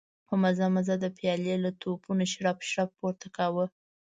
په مزه مزه د پيالې له تپونو شړپ شړوپ پورته کاوه.